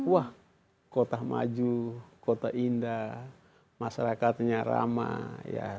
wah kota maju kota indah masyarakatnya ramah ya